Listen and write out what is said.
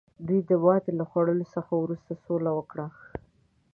دوی د ماتې له خوړلو څخه وروسته سوله وکړه.